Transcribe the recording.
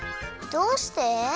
どうして？